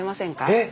えっ！